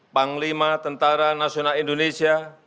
panglima tentara nasional indonesia